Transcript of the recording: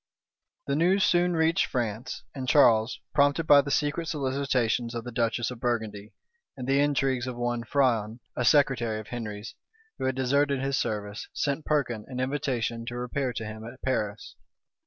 The news soon reached France; and Charles, prompted by the secret solicitations of the duchess of Burgundy, and the intrigues of one Frion, a secretary of Henry's, who had deserted his service, sent Perkin an invitation to repair to him at Paris.